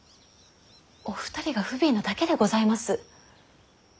お二人が不憫なだけでございます。